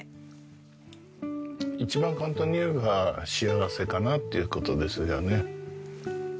一番簡単にいえば幸せかなっていう事ですよね。